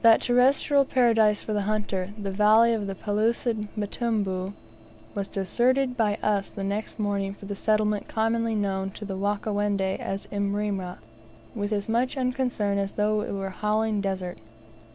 That terrestrial paradise for the hunter, the valley of the pellucid Mtambu, was deserted by us the next morning for the settlement commonly known to the Wakawendi as Imrera's, with as much unconcern as though it were a howling desert.